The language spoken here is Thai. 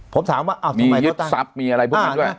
ผมถามว่าทำไมเขาตั้งมียิบซับมีอะไรพวกนั้นด้วย